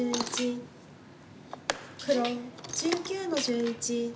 黒１９の十一。